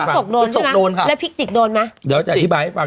ศกโดนแล้วศกโดนใช่ไหมแล้วพริกจิตโดนมั้ยเดี๋ยวจ่ายที่ปลายให้ฟัง